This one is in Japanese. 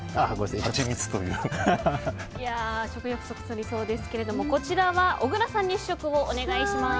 食欲をそそりそうですがこちらは小倉さんに試食をお願いします。